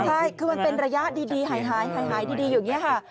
ใช่คือมันเป็นระยะดีหายหายหายหายดีอยู่นี้ค่ะ